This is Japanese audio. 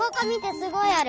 すごいある。